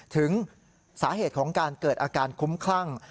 ถึงสาเหตุของการเกิดอาการคุ้มคลั่ง